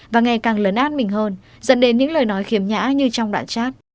và ngày càng lấn át mình hơn dẫn đến những lời nói khiếm nhã như trong đoạn chat